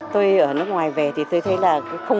tôi ở nước ngoài về thì tôi thấy là không